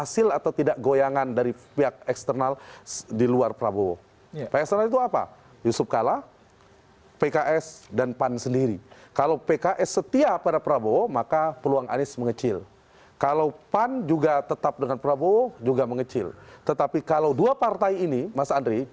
saya indonesia prami